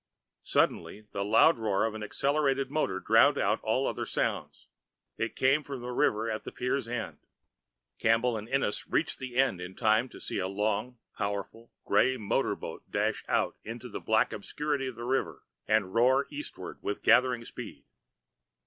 Suddenly the loud roar of an accelerated motor drowned out all other sounds. It came from the river at the pier's end. Campbell and Ennis reached the end in time to see a long, powerful, gray motor boat dash out into the black obscurity of the river, and roar eastward with gathering speed.